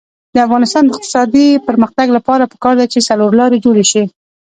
د افغانستان د اقتصادي پرمختګ لپاره پکار ده چې څلورلارې جوړې شي.